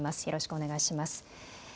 よろしくお願いします。